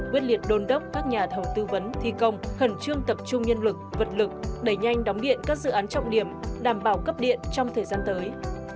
quyết liệt đôn đốc các nhà thầu tư vấn thi công khẩn trương tập trung nhân lực vật lực đẩy nhanh đóng điện các dự án trọng điểm đảm bảo cấp điện trong thời gian tới